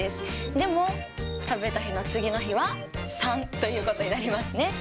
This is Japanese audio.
でも、食べた日の次の日は、３ということになりますね。